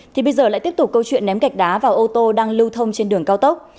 thì bây giờ lại tiếp tục câu chuyện ném gạch đá vào ô tô đang lưu thông trên đường cao tốc